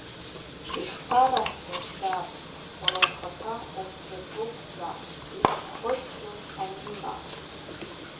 Ишԥарасҳәо саб, уара ухаҭа ухьчатәуп ҳәа исхыччоз Амина…